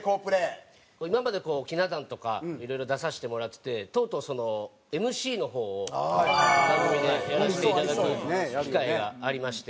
今までこうひな壇とかいろいろ出させてもらっててとうとうそのＭＣの方を番組でやらせていただく機会がありまして。